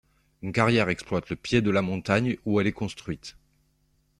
Une carrière exploite le pied de la montagne où elle est construite.